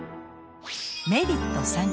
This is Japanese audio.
メリット